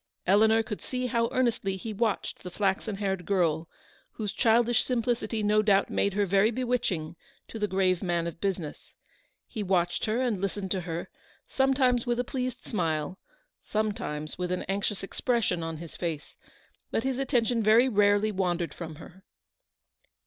Eleanor could see how earnestly he watched the flaxen TOL. I. X 274 Eleanor's victory. haired girl, whose childish simplicity no doubt made her very bewitching to the grave man of business. He watched her and listened to her ; sometimes with a pleased smile, sometimes with an anxious expression on his face; but his atten tion very rarely wandered from her.